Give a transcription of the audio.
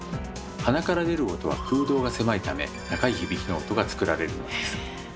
鼻から出る音は空洞が狭いため高い響きの音が作られるのです。